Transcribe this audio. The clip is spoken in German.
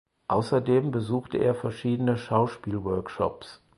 Außerdem besuchte er verschiedene Schauspielworkshops.